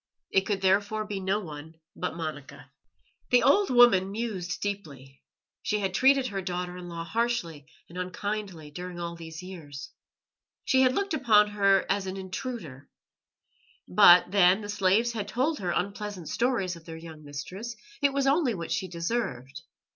It could therefore be no one but Monica. The old woman mused deeply. She had treated her daughter in law harshly and unkindly during all these years. She had looked upon her as an intruder. But then, the slaves had told her unpleasant stories of their young mistress; it was only what she deserved.